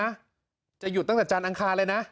จะหยุดตั้งแต่จันทร์อังคารเลยนะ